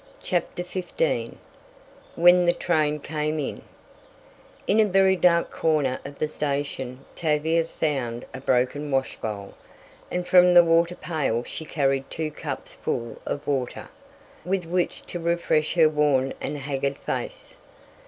CHAPTER XV WHEN THE TRAIN CAME IN In a very dark corner of the station Tavia found a broken washbowl, and from the water pail she carried two cups full of water, with which to refresh her worn and haggard face.